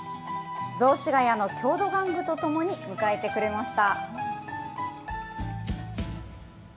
雑司が谷の郷土玩具とともに迎えてくれました。